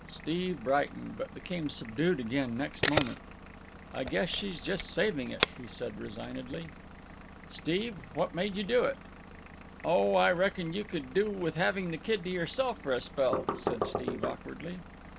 Steve brightened, but became subdued again next moment. "I guess she's just saving it," he said resignedly. "Steve, what made you do it?" "Oh, I reckoned you could do with having the kid to yourself for a spell," said Steve awkwardly.